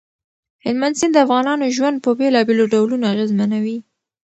هلمند سیند د افغانانو ژوند په بېلابېلو ډولونو اغېزمنوي.